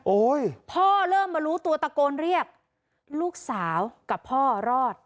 พ่อเริ่มมารู้ตัวตะโกนเรียกลูกสาวกับพ่อรอด